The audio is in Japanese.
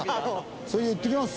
それじゃあいってきます！